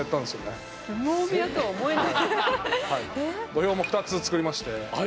土俵も２つ作りまして。